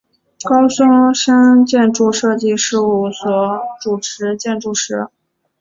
高松伸建筑设计事务所主持建筑师。